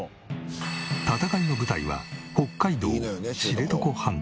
戦いの舞台は北海道知床半島。